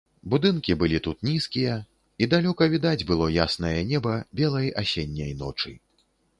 Будынкі былі тут нізкія, і далёка відаць было яснае неба белай асенняй ночы.